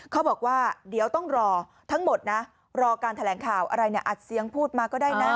เขาบอกว่าเดี๋ยวต้องรอทั้งหมดนะรอการแถลงข่าวอะไรเนี่ยอัดเสียงพูดมาก็ได้นะ